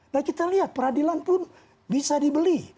nah kita lihat peradilan pun bisa dibeli